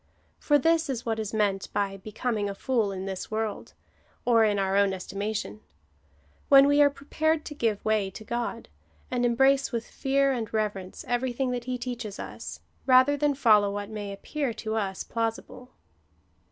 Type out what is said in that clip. For this is what is meant by becoming afoot in this world, or in our own estimation — when we are prepared to give way to God, and embrace with fear and reverence everything that he teaches us, rather than follow what may appear to us plausible.